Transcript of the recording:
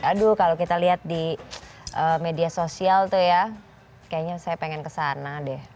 aduh kalau kita lihat di media sosial tuh ya kayaknya saya pengen kesana deh